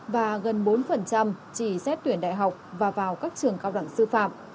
và gần bốn chỉ xét tuyển đại học và vào các trường cao đẳng sư phạm